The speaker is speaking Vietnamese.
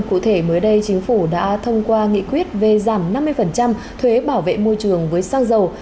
cụ thể mới đây chính phủ đã thông qua nghị quyết về giảm năm mươi thuế bảo vệ môi trường với xăng dầu